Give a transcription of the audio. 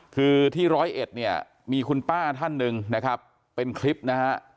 คือที่ร้อยเอ็ดเนี่ยมีคุณป้าท่านหนึ่งนะครับเป็นคลิปนะฮะ